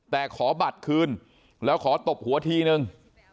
แต่ขอบัตรคืนแล้วขอตบหัวทีนึง